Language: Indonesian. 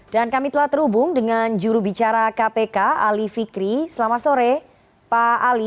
dan kami telah terhubung dengan jurubicara kpk ali fikri selamat sore pak ali